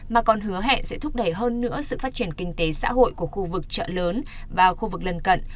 mà còn hứa hẹn sẽ thúc đẩy hơn nữa sự phát triển kinh tế xã hội của khu vực chợ lớn và khu vực lần cận